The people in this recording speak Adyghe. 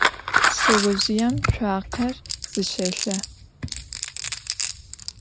Şseozjıêm tsuakher zışêlhe.